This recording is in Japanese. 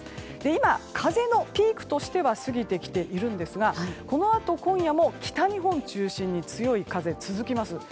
今、風のピークとしては過ぎてきているんですがこのあと今夜も北日本中心に強い風続きます。